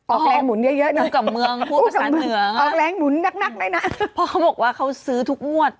ออกแรงหมุนเยอะเนอะออกแรงหมุนนักได้นะเพราะเขาบอกว่าเขาซื้อทุกมวด